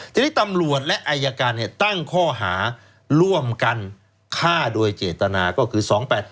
ทีนี้ตำรวจและอายการตั้งข้อหาร่วมกันฆ่าโดยเจตนาก็คือ๒๘๘